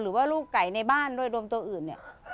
หรือว่าลูกไก่ในบ้านด้วยรวมตัวอื่น